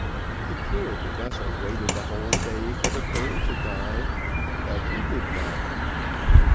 The crew of the vessel waited the whole day for the cur to die, but he did not.